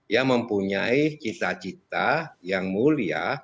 yang mempunyai cita cita yang mulia